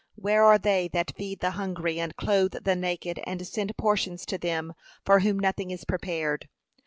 where are they that feed the hungry and clothe the naked, and send portions to them, for whom nothing is prepared?